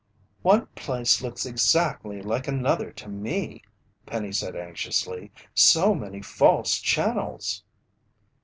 "One place looks exactly like another to me," Penny said anxiously. "So many false channels!"